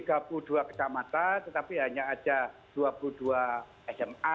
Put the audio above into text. tiga puluh dua kecamatan tetapi hanya ada dua puluh dua sma